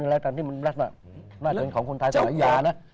น่าจะเป็นของคนไทยศาลยานะ